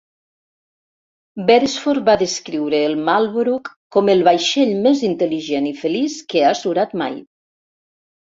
Beresford va descriure el "Marlborough" com "el vaixell més intel·ligent i feliç que ha surat mai".